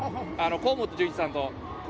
河本準一さんと。